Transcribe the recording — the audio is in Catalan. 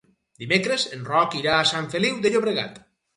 Dimecres en Roc irà a Sant Feliu de Llobregat.